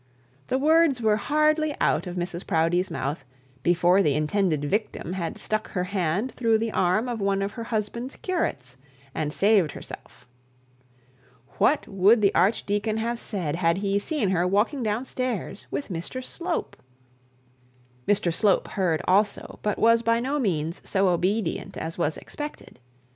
The words were hardly out of Mrs Proudie's mouth, before the intended victim had stuck her hand through the arm of one of her husband's curates, and saved herself. What would the archdeacon have said had he seen her walking down stairs with Mr Slope? Mr Slope heard also, but was by no means so obedient as was expected.